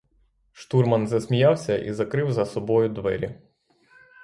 Штурман засміявся і закрив за собою двері.